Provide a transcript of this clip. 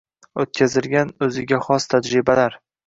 o‘tkazilgan o‘ziga xos «tajribalar» –